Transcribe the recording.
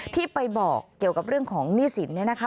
ที่ไปบอกเกี่ยวกับเรื่องของหนี้สินเนี่ยนะคะ